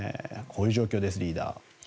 こういう状況です、リーダー。